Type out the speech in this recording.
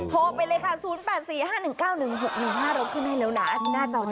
โทรไปเลยค่ะ๐๘๔๕๑๙๑๖๑๕เราขึ้นให้เร็วหนัก